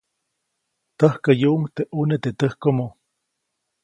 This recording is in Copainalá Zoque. Täjkäyuʼuŋ teʼ ʼuneʼ teʼ täjkomo.